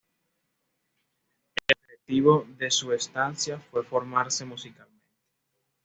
El objetivo de su estancia fue formarse musicalmente.